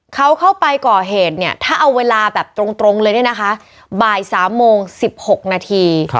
เขาเข้าไปก่อเหตุเนี่ยถ้าเอาเวลาแบบตรงเลยเนี่ยนะคะบ่าย๓โมง๑๖นาที